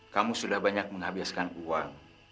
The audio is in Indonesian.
kamu sudah banyak menghabiskan uang